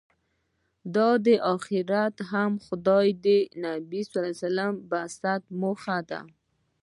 دا آخرت او خدای د انبیا د بعثت موخه ده.